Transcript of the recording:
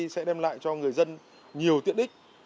sẽ đem lại cho người dân nhiều tiện ích